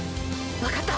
わかった。